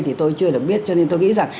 thì tôi chưa được biết cho nên tôi nghĩ rằng